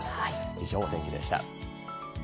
以上、お天気でした。